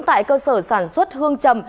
tại cơ sở sản xuất hương trầm